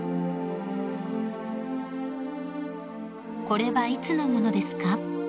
［「これはいつの物ですか？」